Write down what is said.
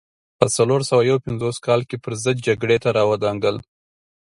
په څلور سوه یو پنځوس کال کې پرضد جګړې ته را ودانګل.